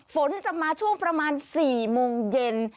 ฝนจะมาช่วงประมาณ๔โมงเย็น